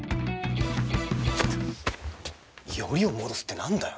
よりを戻すってなんだよ。